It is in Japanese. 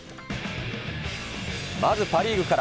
まずパ・リーグから。